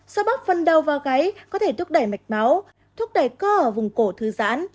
xoa bắp phần đầu và gáy có thể thúc đẩy mạch máu thúc đẩy cơ ở vùng cổ thư giãn